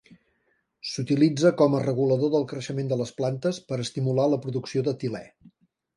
S'utilitza com a regulador del creixement de les plantes per estimular la producció d'etilè.